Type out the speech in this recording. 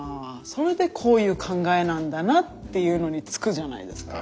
それでこういう考えなんだなっていうのにつくじゃないですか。